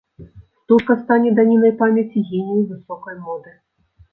Стужка стане данінай памяці генію высокай моды.